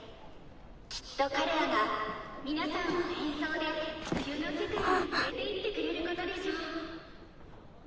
きっと彼らが皆さんを演奏で冬の世界に連れていってくれることでしょう。